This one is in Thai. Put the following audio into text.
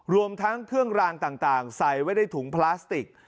รวมทั้งเครื่องรางต่างใส่ไว้ในถุงพลาสติก